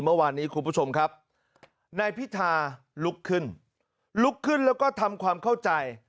เมื่อวานนี้คุณผู้ชมครับนายพิธาลุกขึ้นลุกขึ้นแล้วก็ทำความเข้าใจ